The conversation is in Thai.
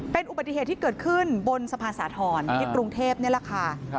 เป็นอุบัติเหตุที่เกิดขึ้นบนสะพานสาธรณ์ที่กรุงเทพนี่แหละค่ะ